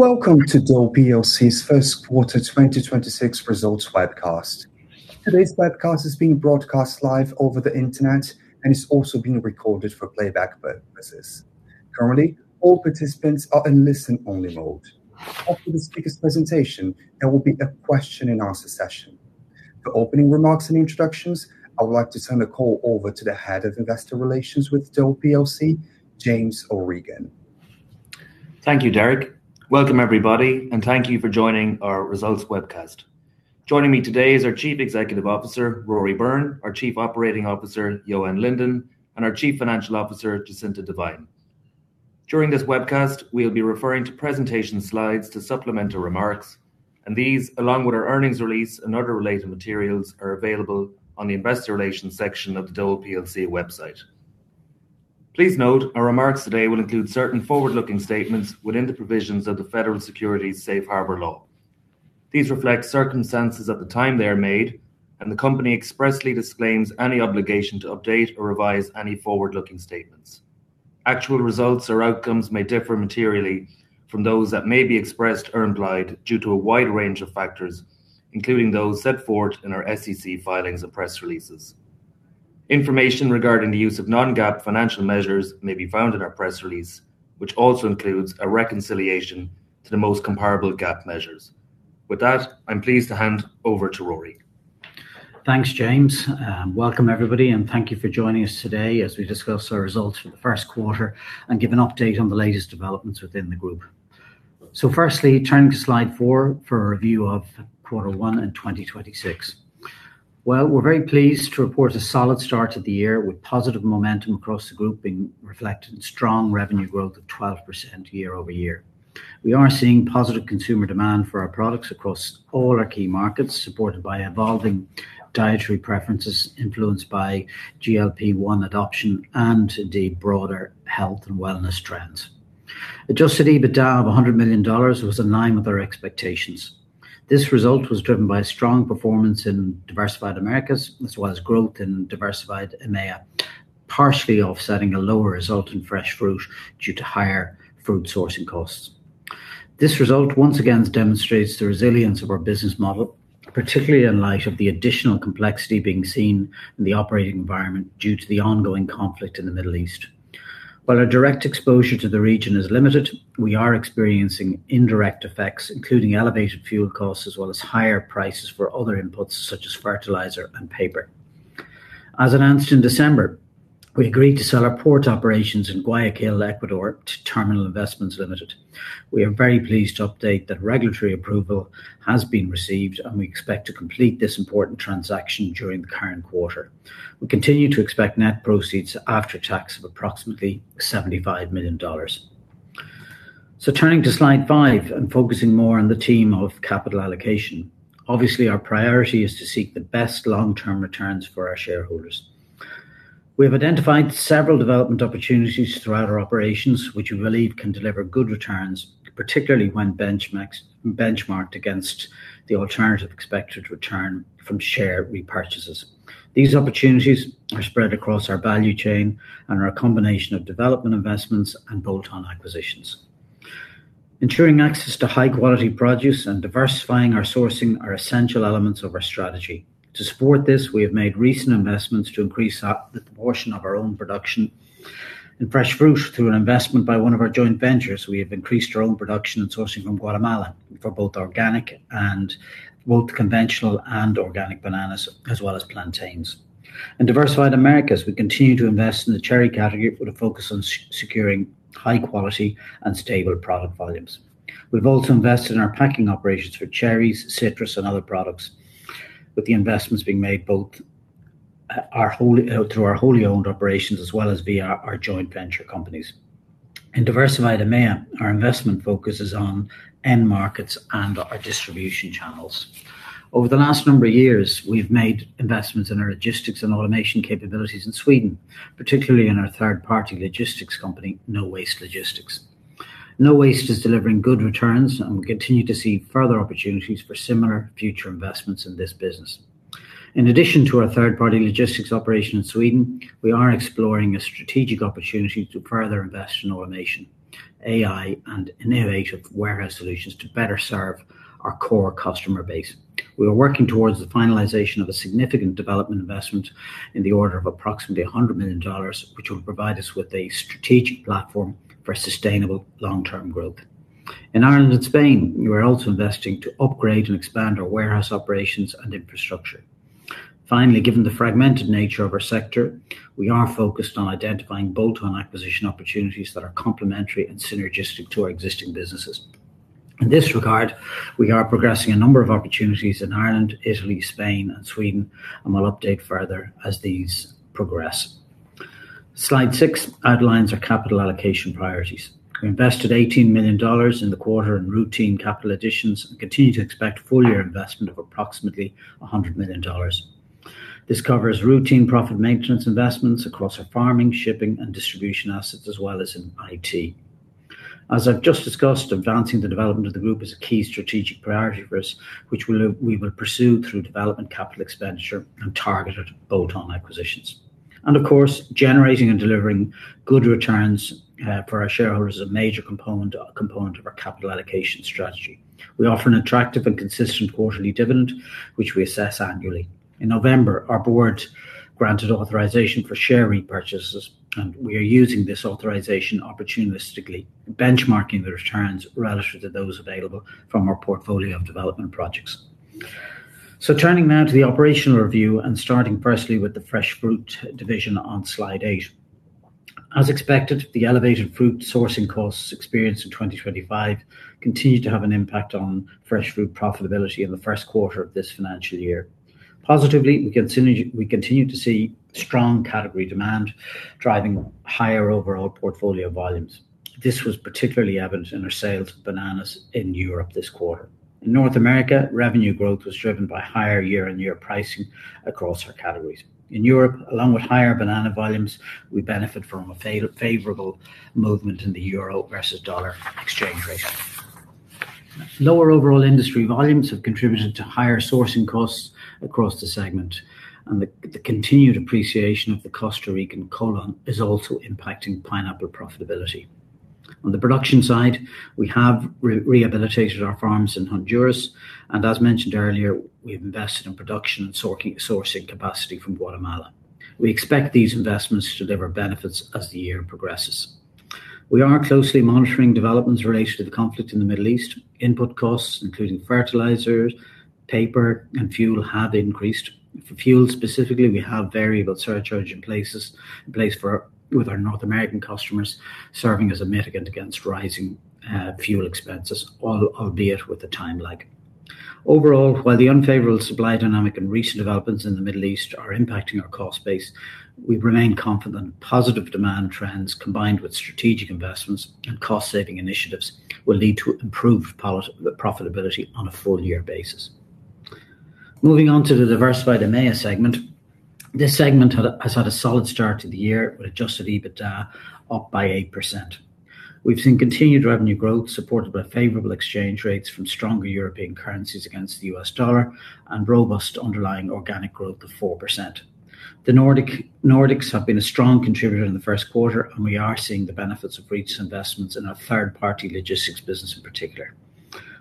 Welcome to Dole PLC's First Quarter 2026 Results Webcast. Today's webcast is being broadcast live over the Internet and it's also being recorded for playback purposes. Currently, all participants are in listen-only mode. After the speaker's presentation, there will be a question and answer session. For opening remarks and introductions, I would like to turn the call over to the Head of Investor Relations with Dole PLC, James O'Regan. Thank you, Derek. Welcome everybody, and thank you for joining our results webcast. Joining me today is our Chief Executive Officer, Rory Byrne, our Chief Operating Officer, Johan Linden, and our Chief Financial Officer, Jacinta Devine. During this webcast, we'll be referring to presentation slides to supplement our remarks, and these, along with our earnings release and other related materials, are available on the investor relations section of the Dole PLC website. Please note our remarks today will include certain forward-looking statements within the provisions of the Federal Securities Safe Harbor Law. These reflect circumstances at the time they are made. The company expressly disclaims any obligation to update or revise any forward-looking statements. Actual results or outcomes may differ materially from those that may be expressed herein tonight due to a wide range of factors, including those set forth in our SEC filings and press releases. Information regarding the use of non-GAAP financial measures may be found in our press release, which also includes a reconciliation to the most comparable GAAP measures. With that, I'm pleased to hand over to Rory. Thanks, James. Welcome everybody and thank you for joining us today as we discuss our results for Q1 and give an update on the latest developments within the group. Firstly, turning to slide four for a view of Q1 in 2026. Well, we're very pleased to report a solid start to the year with positive momentum across the group being reflected in strong revenue growth of 12% year-over-year. We are seeing positive consumer demand for our products across all our key markets, supported by evolving dietary preferences influenced by GLP-1 adoption and indeed broader health and wellness trends. Adjusted EBITDA of $100 million was in line with our expectations. This result was driven by a strong performance in Diversified Americas, as well as growth in Diversified EMEA, partially offsetting a lower result in fresh fruit due to higher fruit sourcing costs. This result once again demonstrates the resilience of our business model, particularly in light of the additional complexity being seen in the operating environment due to the ongoing conflict in the Middle East. While our direct exposure to the region is limited, we are experiencing indirect effects, including elevated fuel costs as well as higher prices for other inputs such as fertilizer and paper. As announced in December, we agreed to sell our port operations in Guayaquil, Ecuador, to Terminal Investment Limited. We are very pleased to update that regulatory approval has been received, and we expect to complete this important transaction during the current quarter. We continue to expect net proceeds after tax of approximately $75 million. Turning to slide five and focusing more on the theme of capital allocation. Obviously, our priority is to seek the best long-term returns for our shareholders. We have identified several development opportunities throughout our operations, which we believe can deliver good returns, particularly when benchmarked against the alternative expected return from share repurchases. These opportunities are spread across our value chain and are a combination of development investments and bolt-on acquisitions. Ensuring access to high-quality produce and diversifying our sourcing are essential elements of our strategy. To support this, we have made recent investments to increase our, the portion of our own production. In fresh fruit, through an investment by one of our joint ventures, we have increased our own production and sourcing from Guatemala for both organic and both conventional and organic bananas, as well as plantains. In Diversified Americas, we continue to invest in the cherry category with a focus on securing high quality and stable product volumes. We've also invested in our packing operations for cherries, citrus and other products, with the investments being made both through our wholly-owned operations as well as via our joint venture companies. In Diversified EMEA, our investment focus is on end markets and our distribution channels. Over the last number of years, we've made investments in our logistics and automation capabilities in Sweden, particularly in our third-party logistics company, Nowaste Logistics. Nowaste is delivering good returns, and we continue to see further opportunities for similar future investments in this business. In addition to our third-party logistics operation in Sweden, we are exploring a strategic opportunity to further invest in automation, AI and innovative warehouse solutions to better serve our core customer base. We are working towards the finalization of a significant development investment in the order of approximately $100 million, which will provide us with a strategic platform for sustainable long-term growth. In Ireland and Spain, we are also investing to upgrade and expand our warehouse operations and infrastructure. Finally, given the fragmented nature of our sector, we are focused on identifying bolt-on acquisition opportunities that are complementary and synergistic to our existing businesses. In this regard, we are progressing a number of opportunities in Ireland, Italy, Spain and Sweden, and we'll update further as these progress. Slide six outlines our capital allocation priorities. We invested $18 million in the quarter in routine capital additions and continue to expect full-year investment of approximately $100 million. This covers routine profit maintenance investments across our farming, shipping, and distribution assets, as well as in IT. As I've just discussed, advancing the development of the group is a key strategic priority for us, which we will pursue through development CapEx and targeted bolt-on acquisitions. Of course, generating and delivering good returns for our shareholders is a major component of our capital allocation strategy. We offer an attractive and consistent quarterly dividend, which we assess annually. In November, our board granted authorization for share repurchases, and we are using this authorization opportunistically, benchmarking the returns relative to those available from our portfolio of development projects. Turning now to the operational review and starting firstly with the fresh fruit division on Slide eight. As expected, the elevated fruit sourcing costs experienced in 2025 continue to have an impact on fresh fruit profitability in the first quarter of this financial year. Positively, we continue to see strong category demand driving higher overall portfolio volumes. This was particularly evident in our sales of bananas in Europe this quarter. In North America, revenue growth was driven by higher year-over-year pricing across our categories. In Europe, along with higher banana volumes, we benefit from a favorable movement in the EUR versus USD exchange rate. Lower overall industry volumes have contributed to higher sourcing costs across the segment, and the continued appreciation of the Costa Rican colon is also impacting pineapple profitability. On the production side, we have rehabilitated our farms in Honduras, and as mentioned earlier, we've invested in production and sourcing capacity from Guatemala. We expect these investments to deliver benefits as the year progresses. We are closely monitoring developments related to the conflict in the Middle East. Input costs, including fertilizers, paper, and fuel have increased. For fuel specifically, we have variable surcharge in place with our North American customers, serving as a mitigant against rising fuel expenses, albeit with a time lag. Overall, while the unfavorable supply dynamic and recent developments in the Middle East are impacting our cost base, we remain confident positive demand trends combined with strategic investments and cost-saving initiatives will lead to improved profitability on a full-year basis. Moving on to the Diversified EMEA segment. This segment has had a solid start to the year with adjusted EBITDA up by 8%. We've seen continued revenue growth supported by favorable exchange rates from stronger European currencies against the U.S. dollar and robust underlying organic growth of 4%. The Nordics have been a strong contributor in the first quarter, and we are seeing the benefits of recent investments in our third-party logistics business in particular.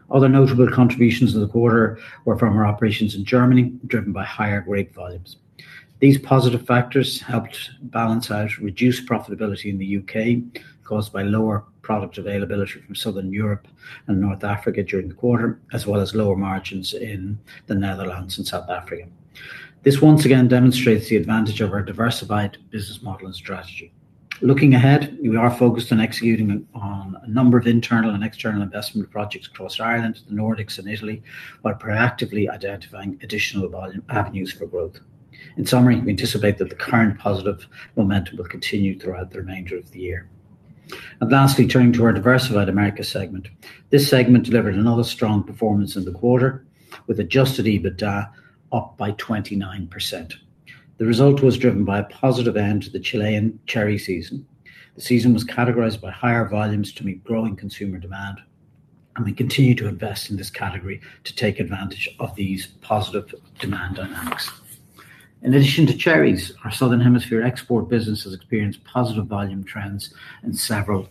Other notable contributions in the quarter were from our operations in Germany, driven by higher grape volumes. These positive factors helped balance out reduced profitability in the U.K. caused by lower product availability from Southern Europe and North Africa during the quarter, as well as lower margins in the Netherlands and South Africa. This once again demonstrates the advantage of our diversified business model and strategy. Looking ahead, we are focused on executing on a number of internal and external investment projects across Ireland, the Nordics, and Italy, while proactively identifying additional volume avenues for growth. In summary, we anticipate that the current positive momentum will continue throughout the remainder of the year. Lastly, turning to our diversified Americas segment. This segment delivered another strong performance in the quarter with adjusted EBITDA up by 29%. The result was driven by a positive end to the Chilean cherry season. The season was categorized by higher volumes to meet growing consumer demand. We continue to invest in this category to take advantage of these positive demand dynamics. In addition to cherries, our Southern Hemisphere export business has experienced positive volume trends in several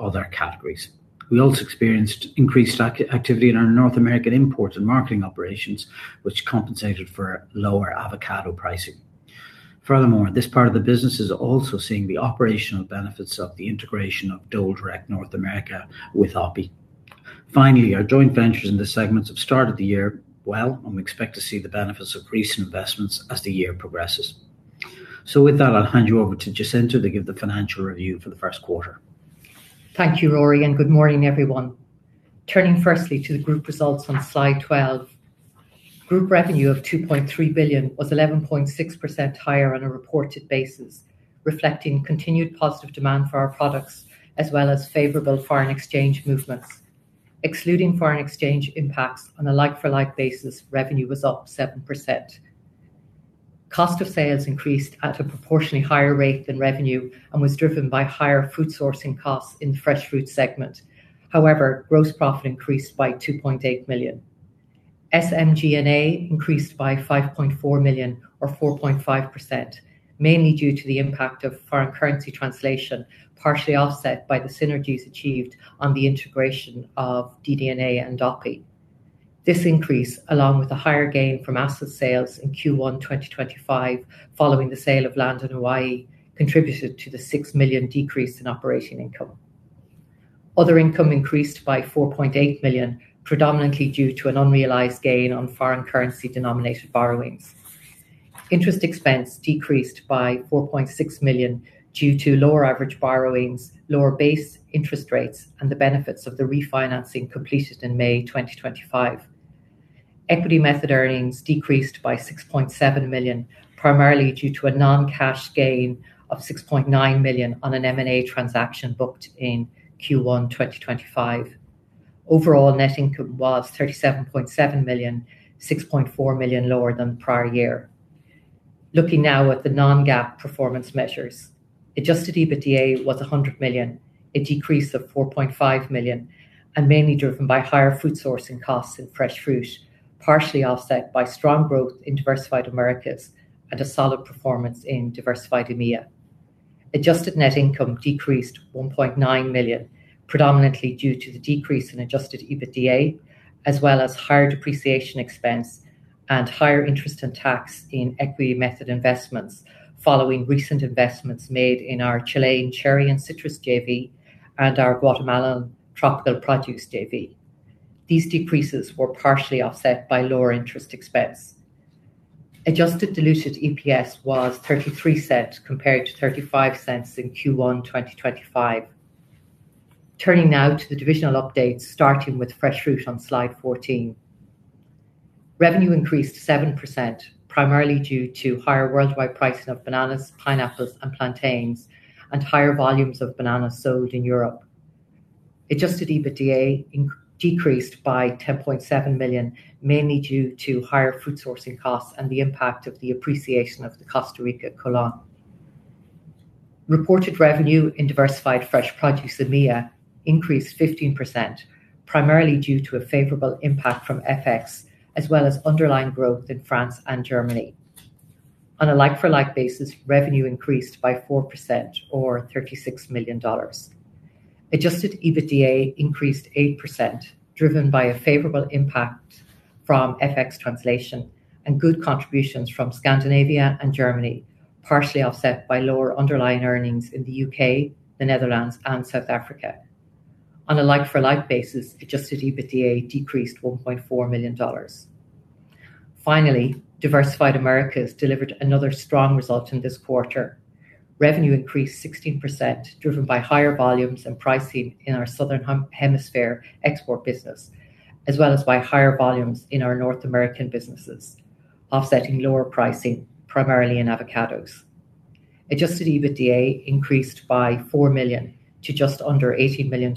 other categories. We also experienced increased activity in our North American imports and marketing operations, which compensated for lower avocado pricing. Furthermore, this part of the business is also seeing the operational benefits of the integration of Dole Diversified North America with Oppy. Finally, our joint ventures in this segment have started the year well, and we expect to see the benefits of recent investments as the year progresses. With that, I'll hand you over to Jacinta to give the financial review for the first quarter. Thank you, Rory. Good morning, everyone. Turning firstly to the group results on Slide 12. Group revenue of 2.3 billion was 11.6% higher on a reported basis, reflecting continued positive demand for our products as well as favorable foreign exchange movements. Excluding foreign exchange impacts on a like-for-like basis, revenue was up 7%. Cost of sales increased at a proportionally higher rate than revenue and was driven by higher fruit sourcing costs in fresh fruit segment. However, gross profit increased by 2.8 million. SG&A increased by 5.4 million or 4.5%, mainly due to the impact of foreign currency translation, partially offset by the synergies achieved on the integration of DDNA and Oppy. This increase, along with a higher gain from asset sales in Q1 2025 following the sale of land in Hawaii, contributed to the $6 million decrease in operating income. Other income increased by $4.8 million, predominantly due to an unrealized gain on foreign currency denominated borrowings. Interest expense decreased by $4.6 million due to lower average borrowings, lower base interest rates, and the benefits of the refinancing completed in May 2025. Equity method earnings decreased by $6.7 million, primarily due to a non-cash gain of $6.9 million on an M&A transaction booked in Q1 2025. Overall, net income was $37.7 million, $6.4 million lower than prior year. Looking now at the non-GAAP performance measures. adjusted EBITDA was $100 million, a decrease of $4.5 million, and mainly driven by higher fruit sourcing costs in Fresh Fruit. Partially offset by strong growth in Diversified Americas and a solid performance in Diversified EMEA. adjusted net income decreased $1.9 million, predominantly due to the decrease in adjusted EBITDA, as well as higher depreciation expense and higher interest and tax in equity method investments following recent investments made in our Chilean cherry and citrus JV and our Guatemalan tropical produce JV. These decreases were partially offset by lower interest expense. adjusted diluted EPS was $0.33 compared to $0.35 in Q1 2025. Turning now to the divisional updates, starting with Fresh Fruit on slide 14. Revenue increased 7% primarily due to higher worldwide pricing of bananas, pineapples, and plantains, and higher volumes of bananas sold in Europe. Adjusted EBITDA decreased by $10.7 million, mainly due to higher fruit sourcing costs and the impact of the appreciation of the Costa Rican colon. Reported revenue in Diversified Fresh Produce - EMEA increased 15%, primarily due to a favorable impact from FX as well as underlying growth in France and Germany. On a like-for-like basis, revenue increased by 4% or $36 million. Adjusted EBITDA increased 8% driven by a favorable impact from FX translation and good contributions from Scandinavia and Germany, partially offset by lower underlying earnings in the U.K., the Netherlands and South Africa. On a like-for-like basis, adjusted EBITDA decreased $1.4 million. Finally, Diversified Americas delivered another strong result in this quarter. Revenue increased 16% driven by higher volumes and pricing in our southern hemisphere export business, as well as by higher volumes in our North American businesses, offsetting lower pricing primarily in avocados. Adjusted EBITDA increased by $4 million to just under $80 million,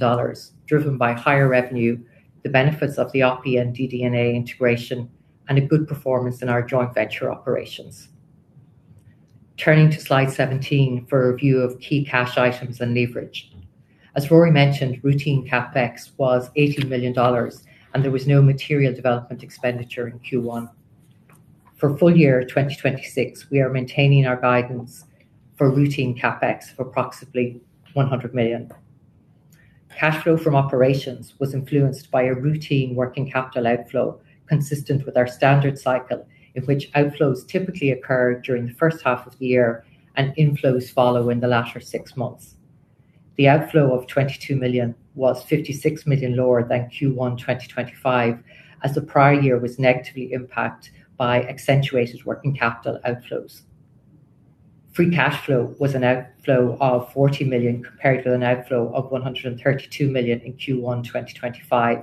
driven by higher revenue, the benefits of the Oppy and DDNA integration, and a good performance in our joint venture operations. Turning to slide 17 for a view of key cash items and leverage. As Rory mentioned, routine CapEx was $80 million and there was no material development expenditure in Q1. For full-year 2026, we are maintaining our guidance for routine CapEx of approximately $100 million. Cash flow from operations was influenced by a routine working capital outflow consistent with our standard cycle in which outflows typically occur during the first half of the year and inflows follow in the latter six months. The outflow of $22 million was $56 million lower than Q1 2025, as the prior year was negatively impacted by accentuated working capital outflows. Free cash flow was an outflow of $40 million compared to an outflow of $132 million in Q1 2025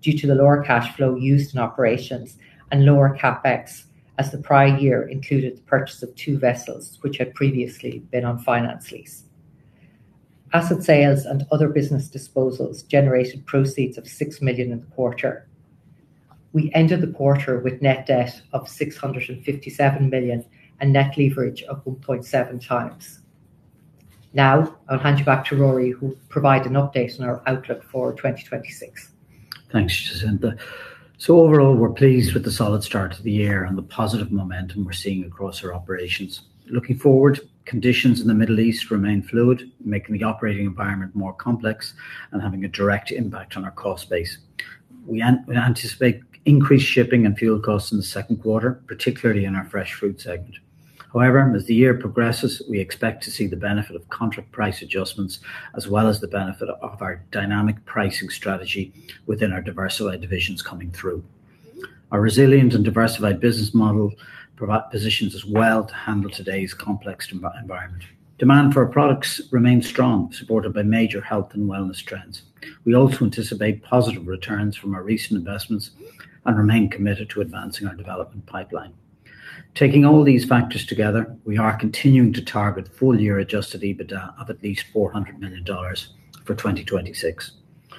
due to the lower cash flow used in operations and lower CapEx as the prior year included the purchase of two vessels which had previously been on finance lease. Asset sales and other business disposals generated proceeds of $6 million in the quarter. We ended the quarter with net debt of $657 million and net leverage of 1.7x. Now I'll hand you back to Rory, who will provide an update on our outlook for 2026. Thanks, Jacinta. Overall, we're pleased with the solid start to the year and the positive momentum we're seeing across our operations. Looking forward, conditions in the Middle East remain fluid, making the operating environment more complex and having a direct impact on our cost base. We anticipate increased shipping and fuel costs in the second quarter, particularly in our fresh fruit segment. However, as the year progresses, we expect to see the benefit of contract price adjustments as well as the benefit of our dynamic pricing strategy within our diversified divisions coming through. Our resilient and diversified business model positions as well to handle today's complex environment. Demand for our products remains strong, supported by major health and wellness trends. We also anticipate positive returns from our recent investments and remain committed to advancing our development pipeline. Taking all these factors together, we are continuing to target full-year adjusted EBITDA of at least $400 million for 2026. I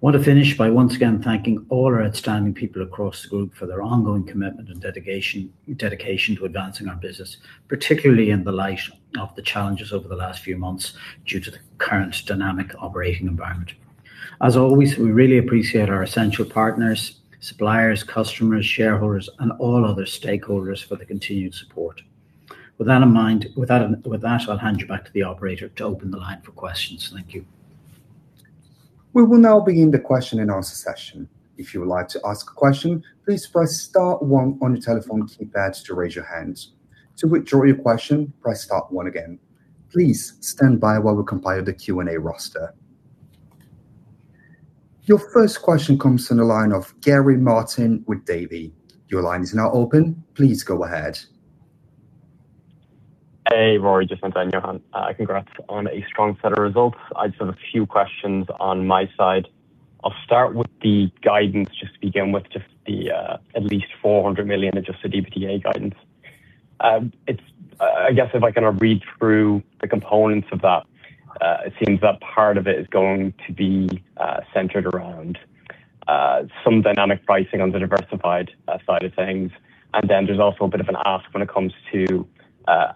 want to finish by once again thanking all our outstanding people across the group for their ongoing commitment and dedication to advancing our business, particularly in the light of the challenges over the last few months due to the current dynamic operating environment. As always, we really appreciate our essential partners, suppliers, customers, shareholders and all other stakeholders for their continued support. With that, I'll hand you back to the operator to open the line for questions. Thank you. Your first question comes from the line of Gary Martin with Davy. Hey, Rory, Jacinta and Johan. Congrats on a strong set of results. I just have a few questions on my side. I'll start with the guidance. Just to begin with, just the at least $400 million adjusted EBITDA guidance. It's, I guess if I kind of read through the components of that, it seems that part of it is going to be centered around some dynamic pricing on the diversified side of things. Then there's also a bit of an ask when it comes to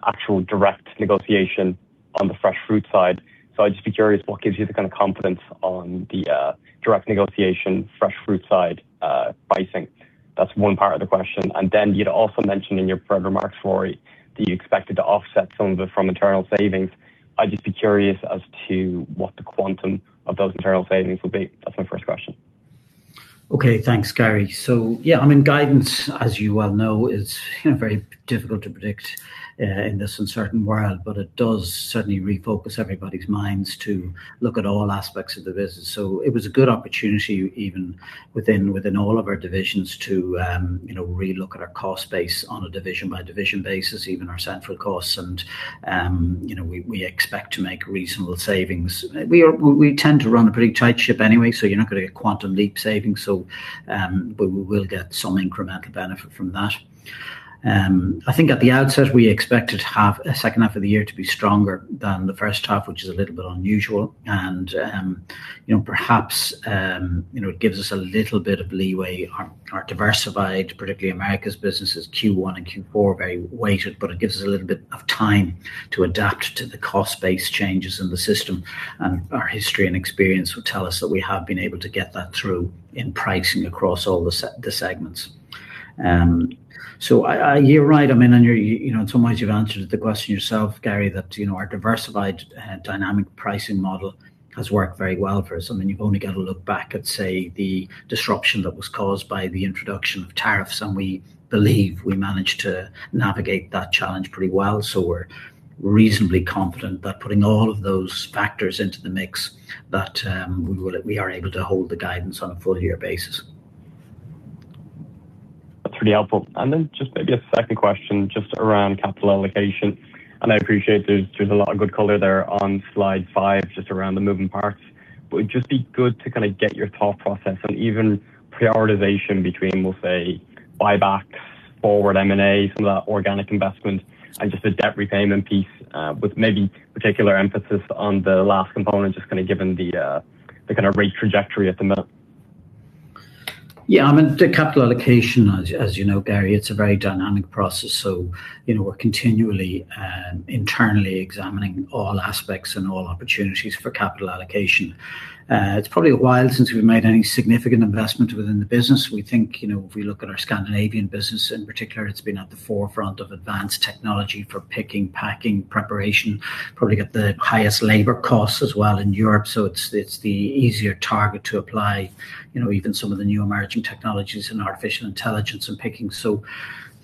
actual direct negotiation on the fresh fruit side. I'd just be curious what gives you the kind of confidence on the direct negotiation fresh fruit side pricing? That's one part of the question. You'd also mentioned in your prepared remarks, Rory, that you expected to offset some of it from internal savings. I'd just be curious as to what the quantum of those internal savings will be. That's my first question. Okay. Thanks, Gary. Yeah, I mean, guidance, as you well know, is, you know, very difficult to predict in this uncertain world, but it does certainly refocus everybody's minds to look at all aspects of the business. It was a good opportunity even within all of our divisions to, you know, relook at our cost base on a division by division basis, even our central costs. You know, we expect to make reasonable savings. We tend to run a pretty tight ship anyway, you're not gonna get quantum leap savings. We will get some incremental benefit from that. I think at the outset, we expected second half of the year to be stronger than the first half, which is a little bit unusual. You know, perhaps, you know, it gives us a little bit of leeway. Our diversified, particularly Americas's business, Q1 and Q4 are very weighted, but it gives us a little bit of time to adapt to the cost-based changes in the system. Our history and experience would tell us that we have been able to get that through in pricing across all the segments. I, you're right. I mean, you're, you know, in some ways you've answered the question yourself, Gary, that, you know, our diversified dynamic pricing model has worked very well for us. I mean, you've only got to look back at, say, the disruption that was caused by the introduction of tariffs, we believe we managed to navigate that challenge pretty well. We're reasonably confident that putting all of those factors into the mix, that, we are able to hold the guidance on a full-year basis. That's really helpful. Then just maybe a second question just around capital allocation. I appreciate there's a lot of good color there on slide five, just around the moving parts. It'd just be good to kind of get your thought process and even prioritization between, we'll say, buybacks, forward M&A, some of that organic investment, and just the debt repayment piece, with maybe particular emphasis on the last component, just kind of given the kind of rate trajectory at the moment. Yeah. I mean, the capital allocation, as you know, Gary, it's a very dynamic process. We're continually internally examining all aspects and all opportunities for capital allocation. It's probably a while since we've made any significant investment within the business. We think, you know, if we look at our Scandinavian business in particular, it's been at the forefront of advanced technology for picking, packing, preparation. Probably got the highest labor costs as well in Europe. It's the easier target to apply, you know, even some of the new emerging technologies in artificial intelligence and picking.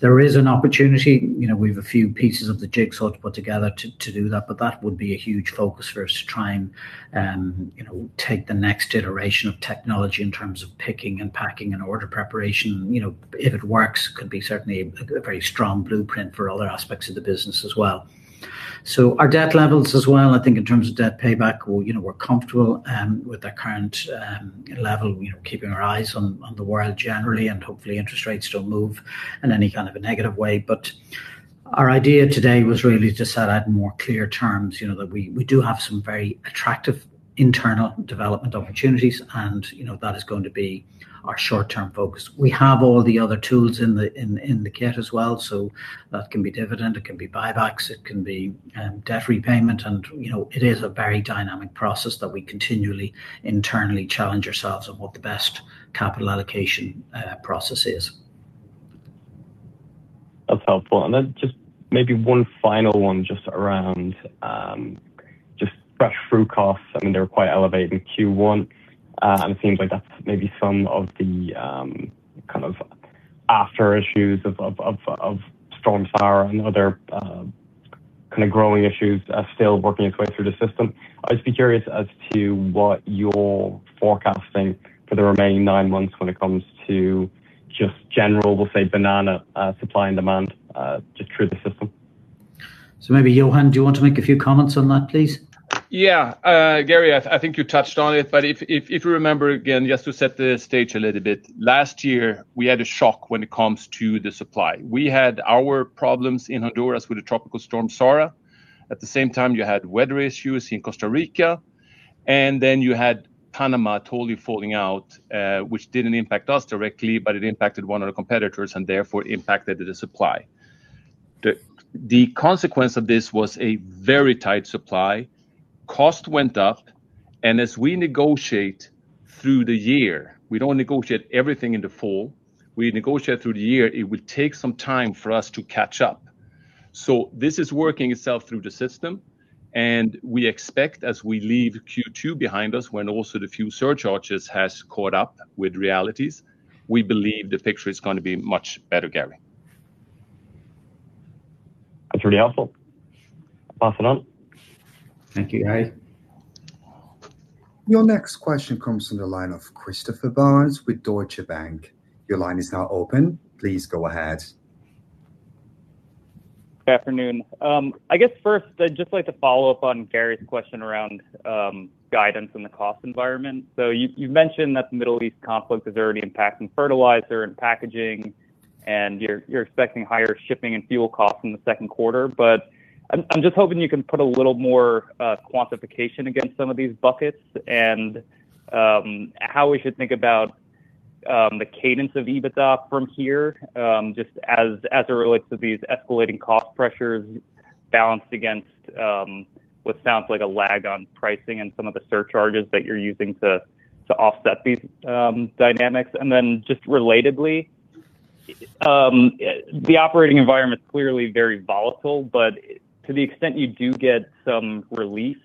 There is an opportunity. You know, we've a few pieces of the jigsaw to put together to do that. That would be a huge focus for us to try and, you know, take the next iteration of technology in terms of picking and packing and order preparation. You know, if it works, could be certainly a very strong blueprint for other aspects of the business as well. Our debt levels as well, I think in terms of debt payback, we're, you know, we're comfortable with the current level. You know, keeping our eyes on the world generally, and hopefully interest rates don't move in any kind of a negative way. Our idea today was really to set out more clear terms, you know, that we do have some very attractive internal development opportunities and, you know, that is going to be our short-term focus. We have all the other tools in the kit as well. That can be dividend, it can be buybacks, it can be debt repayment. You know, it is a very dynamic process that we continually internally challenge ourselves on what the best capital allocation process is. That's helpful. Just maybe one final one just around just fresh fruit costs. I mean, they were quite elevated in Q1. It seems like that's maybe some of the kind of after issues of Storm Sara and other kind of growing issues are still working its way through the system. I'd just be curious as to what you're forecasting for the remaining nine months when it comes to just general, we'll say, banana, supply and demand, just through the system. Maybe, Johan, do you want to make a few comments on that, please? Yeah. Gary, I think you touched on it, but if you remember again, just to set the stage a little bit, last year we had a shock when it comes to the supply. We had our problems in Honduras with the Tropical Storm Sara. At the same time, you had weather issues in Costa Rica, and then you had Panama totally falling out, which didn't impact us directly, but it impacted one of the competitors and therefore impacted the supply. The consequence of this was a very tight supply. Cost went up. As we negotiate through the year, we don't negotiate everything in the fall, we negotiate through the year, it will take some time for us to catch up. This is working itself through the system, and we expect as we leave Q2 behind us, when also the fuel surcharges has caught up with realities, we believe the picture is going to be much better, Gary. That's really helpful. Passing on. Thank you, Gary. Your next question comes from the line of Christopher Barnes with Deutsche Bank. Your line is now open. Please go ahead. Good afternoon. I guess first I'd just like to follow up on Gary's question around guidance in the cost environment. You've mentioned that the Middle East conflict is already impacting fertilizer and packaging, and you're expecting higher shipping and fuel costs in the second quarter. I'm just hoping you can put a little more quantification against some of these buckets and how we should think about the cadence of EBITDA from here, just as it relates to these escalating cost pressures balanced against what sounds like a lag on pricing and some of the surcharges that you're using to offset these dynamics. Just relatedly, the operating environment's clearly very volatile, but to the extent you do get some relief,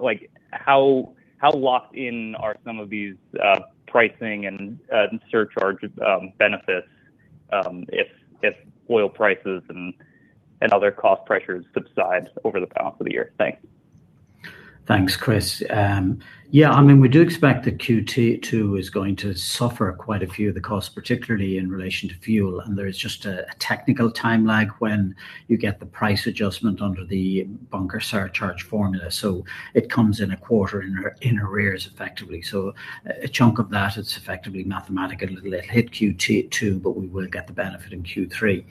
like how locked in are some of these pricing and surcharge benefits if oil prices and other cost pressures subside over the balance of the year? Thanks. Thanks, Chris. Yeah, I mean, we do expect that Q2 is going to suffer quite a few of the costs, particularly in relation to fuel, and there's just a technical time lag when you get the price adjustment under the bunker surcharge formula. It comes in a quarter in arrears effectively. A chunk of that is effectively mathematical. It'll hit Q2, but we will get the benefit in Q3.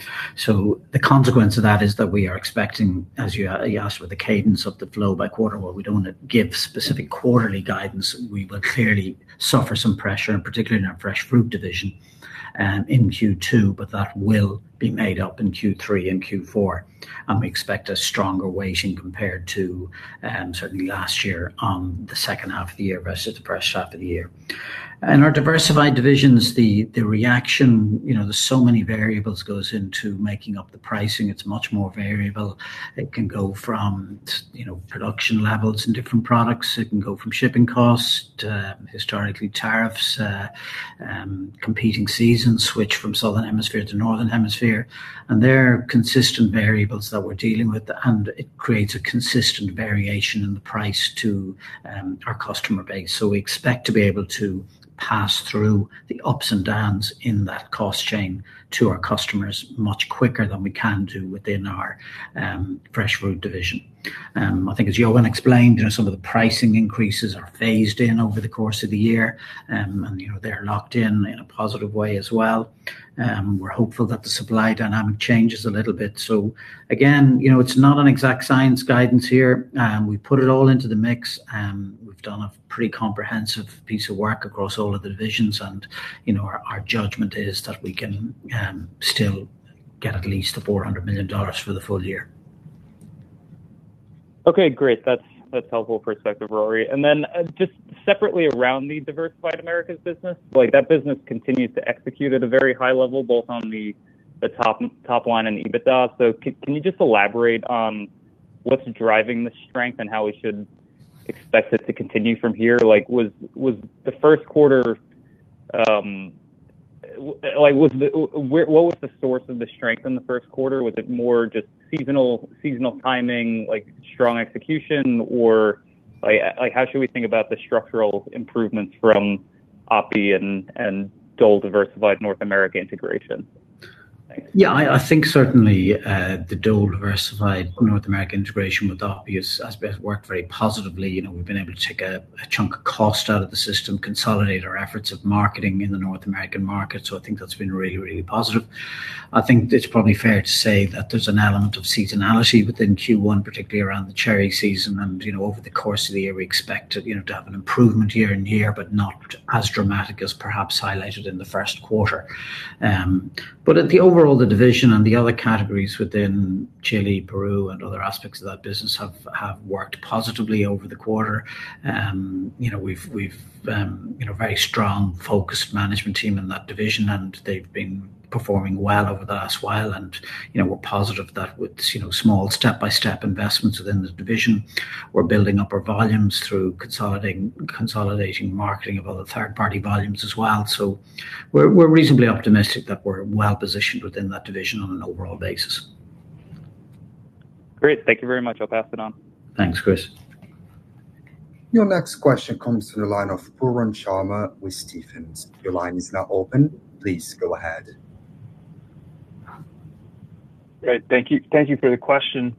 The consequence of that is that we are expecting, as you asked, with the cadence of the flow by quarter. We don't give specific quarterly guidance, we will clearly suffer some pressure, and particularly in our fresh fruit division, in Q2, but that will be made up in Q3 and Q4. We expect a stronger weighting compared to, certainly last year on the second half of the year versus the first half of the year. In our diversified divisions, the reaction, you know, there's so many variables goes into making up the pricing. It's much more variable. It can go from, you know, production levels in different products. It can go from shipping costs to historically tariffs, competing seasons switch from Southern Hemisphere to Northern Hemisphere. They're consistent variables that we're dealing with, and it creates a consistent variation in the price to our customer base. We expect to be able to pass through the ups and downs in that cost chain to our customers much quicker than we can do within our fresh fruit division. I think as Johan explained, you know, some of the pricing increases are phased in over the course of the year. You know, they're locked in in a positive way as well. We're hopeful that the supply dynamic changes a little bit. Again, you know, it's not an exact science guidance here. We've put it all into the mix. We've done a pretty comprehensive piece of work across all of the divisions and, you know, our judgment is that we can still get at least the $400 million for the full-year. Okay. Great. That's helpful perspective, Rory. Just separately around the Diversified Americas business, like that business continues to execute at a very high level, both on the top line and EBITDA. Can you just elaborate on what's driving the strength and how we should expect it to continue from here? Like, what was the source of the strength in the first quarter? Was it more just seasonal timing, like strong execution, or like how should we think about the structural improvements from Oppy and Dole Diversified North America integration? Thanks. I think certainly, the Dole Diversified North America integration with Oppy has worked very positively. You know, we've been able to take a chunk of cost out of the system, consolidate our efforts of marketing in the North American market. I think that's been really positive. I think it's probably fair to say that there's an element of seasonality within Q1, particularly around the cherry season. You know, over the course of the year, we expect it, you know, to have an improvement year-over-year, but not as dramatic as perhaps highlighted in the first quarter. At the overall, the division and the other categories within Chile, Peru, and other aspects of that business have worked positively over the quarter you know, we've, you know, very strong focused management team in that division, and they've been performing well over the last while. you know, we're positive that with, you know, small step-by-step investments within the division, we're building up our volumes through consolidating marketing of other third party volumes as well. we're reasonably optimistic that we're well positioned within that division on an overall basis. Great. Thank you very much. I'll pass it on. Thanks, Chris. Your next question comes to the line of Pooran Sharma with Stephens. Your line is now open. Please go ahead. Great. Thank you. Thank you for the question.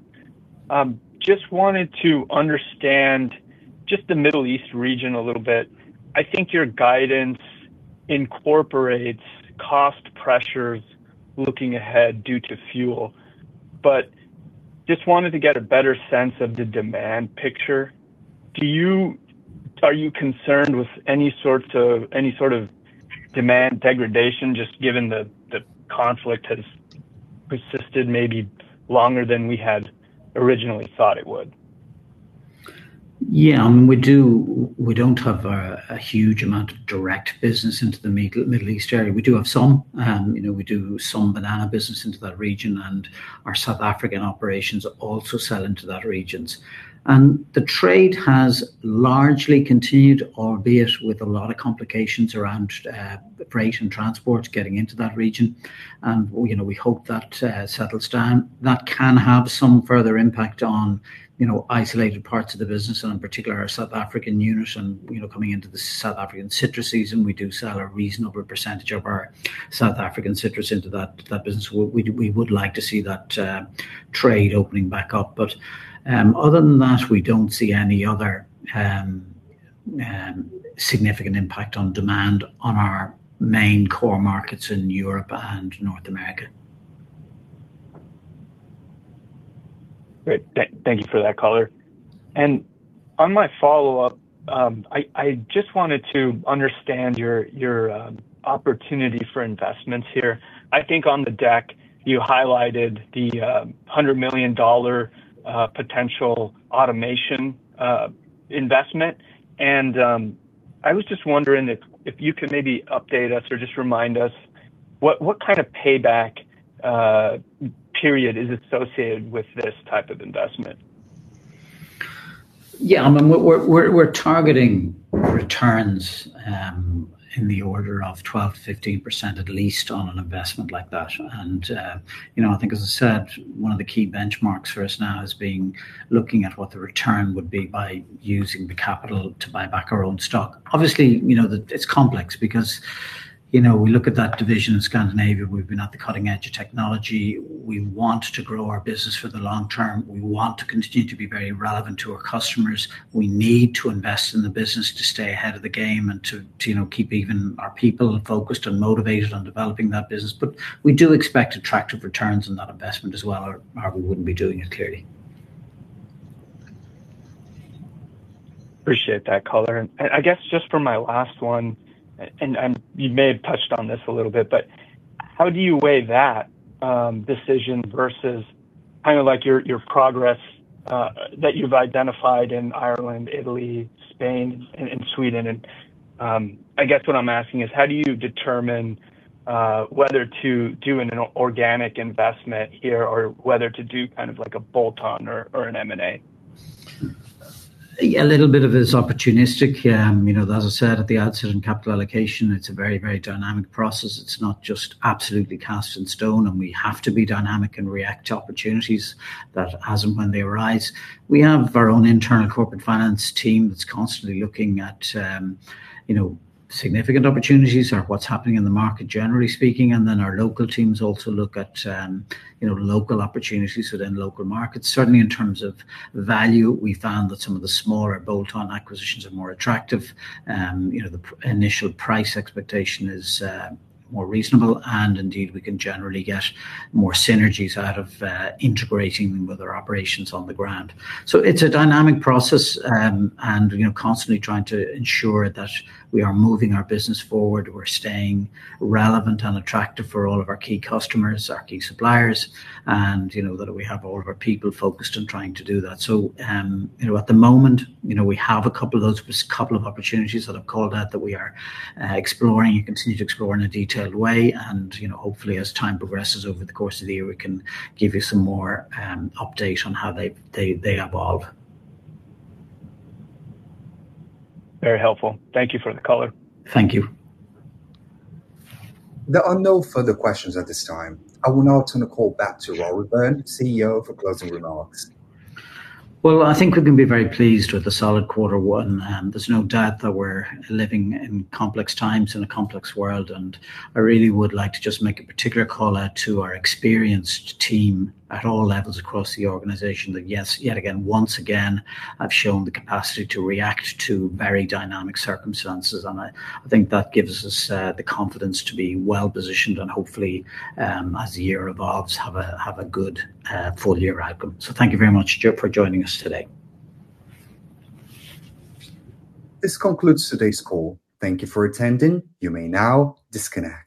Just wanted to understand just the Middle East region a little bit. I think your guidance incorporates cost pressures looking ahead due to fuel. Just wanted to get a better sense of the demand picture. Are you concerned with any sort of demand degradation just given the conflict has persisted maybe longer than we had originally thought it would? Yeah. I mean, we don't have a huge amount of direct business into the Middle East area. We do have some, you know, we do some banana business into that region, and our South African operations also sell into that region. The trade has largely continued, albeit with a lot of complications around freight and transport getting into that region, you know, we hope that settles down. That can have some further impact on, you know, isolated parts of the business and in particular our South African unit and, you know, coming into the South African citrus season, we do sell a reasonable percentage of our South African citrus into that business. We would like to see that trade opening back up. Other than that, we don't see any other significant impact on demand on our main core markets in Europe and North America. Great. Thank you for that, Rory Byrne. I just wanted to understand your opportunity for investments here. I think on the deck you highlighted the $100 million potential automation investment. I was just wondering if you could maybe update us or just remind us what kind of payback period is associated with this type of investment? Yeah. I mean, we're targeting returns in the order of 12%-15% at least on an investment like that. You know, I think as I said, one of the key benchmarks for us now is looking at what the return would be by using the capital to buy back our own stock. Obviously, you know, it's complex because, you know, we look at that division in Scandinavia. We've been at the cutting edge of technology. We want to grow our business for the long term. We want to continue to be very relevant to our customers. We need to invest in the business to stay ahead of the game and to, you know, keep even our people focused and motivated on developing that business. We do expect attractive returns on that investment as well, or we wouldn't be doing it, clearly. Appreciate that, Rory Byrne. I guess just for my last one, and you may have touched on this a little bit, but how do you weigh that decision versus kind of like your progress that you've identified in Ireland, Italy, Spain, and Sweden? I guess what I'm asking is how do you determine whether to do an organic investment here or whether to do kind of like a bolt-on or an M&A? A little bit of it is opportunistic. You know, as I said at the outset in capital allocation, it's a very, very dynamic process. It's not just absolutely cast in stone, we have to be dynamic and react to opportunities that as and when they arise. We have our own internal corporate finance team that's constantly looking at, you know, significant opportunities or what's happening in the market, generally speaking. Our local teams also look at, you know, local opportunities within local markets. Certainly in terms of value we found that some of the smaller bolt-on acquisitions are more attractive. You know, the initial price expectation is more reasonable and indeed we can generally get more synergies out of integrating them with our operations on the ground. It's a dynamic process. You know, constantly trying to ensure that we are moving our business forward, we're staying relevant and attractive for all of our key customers, our key suppliers, and, you know, that we have all of our people focused on trying to do that. You know, at the moment, you know, we have a couple of opportunities that I've called out that we are exploring and continue to explore in a detailed way. You know, hopefully as time progresses over the course of the year we can give you some more update on how they evolve. Very helpful. Thank you for that, Rory. Thank you. There are no further questions at this time. I will now turn the call back to Rory Byrne, CEO, for closing remarks. Well, I think we can be very pleased with a solid Q1. There's no doubt that we're living in complex times in a complex world, and I really would like to just make a particular callout to our experienced team at all levels across the organization that once again have shown the capacity to react to very dynamic circumstances. I think that gives us the confidence to be well-positioned and hopefully, as the year evolves, have a good full-year outcome. Thank you very much, Joe, for joining us today. This concludes today's call. Thank you for attending. You may now disconnect.